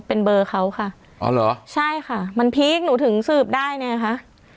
เป็นเบอร์เขาค่ะอ๋อเหรอใช่ค่ะมันพีคหนูถึงสืบได้ไงคะ